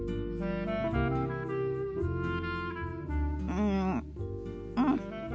うんうん。